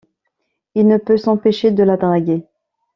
Il ne peut s'empêcher de la draguer.